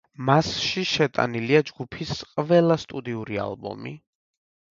მასში შეტანილია ჯგუფის ყველა სტუდიური ალბომი.